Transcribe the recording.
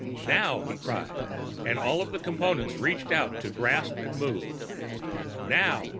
"Now!" he cried, and all of the Components reached out to grasp and move. "Now!"